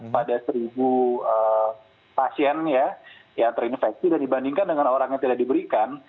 pada seribu pasien yang terinfeksi dan dibandingkan dengan orang yang tidak diberikan